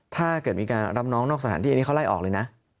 ถ้าเกิดมีการรับน้องนอกสถานที่อันนี้เขาไล่ออกเลยนะ